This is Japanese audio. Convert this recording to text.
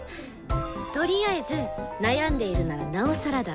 とりあえず悩んでいるならなおさらだ。